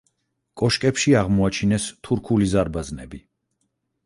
კოშკებში აღმოაჩინეს თურქული ზარბაზნები.